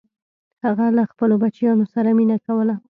هغه له خپلو بچیانو سره مینه کوله.